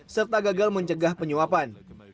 serta gagal mencegah penyuapan